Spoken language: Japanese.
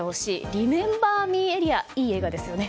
「リメンバー・ミー」エリアいい映画ですよね。